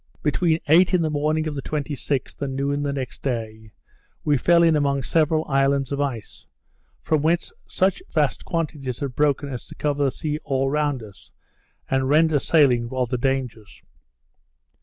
Between eight in the morning of the 26th, and noon the next day, we fell in among several islands of ice; from whence such vast quantities had broken as to cover the sea all round us, and render sailing rather dangerous.